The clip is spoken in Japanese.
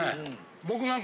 僕なんか。